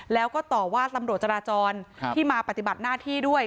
แล้วก็ต่อว่าตำรวจจราจรที่มาปฏิบัติหน้าที่ด้วย